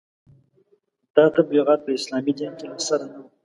دا تبلیغات په اسلامي دین کې له سره نه وو.